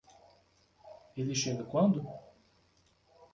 Ele chega quando?